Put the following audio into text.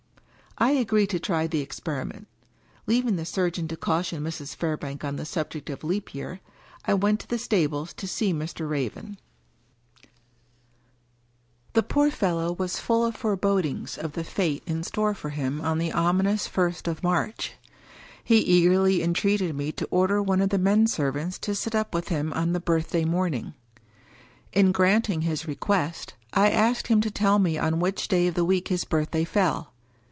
I agreed to try the experiment. Leaving the surgeon to caution Mrs. Fairbank on the subject of Leap Year, I went to the stables to see Mr. Raven. 258 Wtikie Collins XV The poor fellow was full of forebodings of the fate in store for him on the ominous first of March. He eagerly entreated me to order one of the men servants to sit up with him on the birthday morning. In granting his re quest, I asked him to tell me on which day of the week his birthday fell.